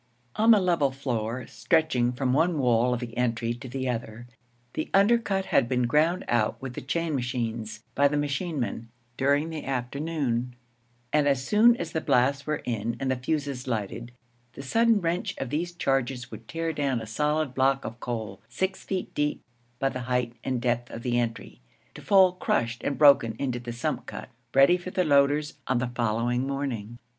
On the level floor, stretching from one wall of the entry to the other, the undercut had been ground out with the chain machines by the machine men during the afternoon; and as soon as the blasts were in and the fuses lighted, the sudden wrench of these charges would tear down a solid block of coal six feet deep by the height and depth of the entry, to fall crushed and broken into the sump cut, ready for the loaders on the following morning.